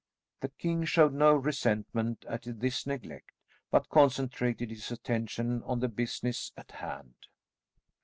The king showed no resentment at this neglect, but concentrated his attention on the business at hand.